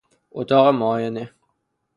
اتاق معاینه